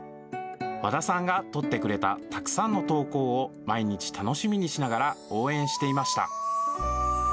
和田さんが撮ってくれたたくさんの投稿を、毎日楽しみにしながら応援していました。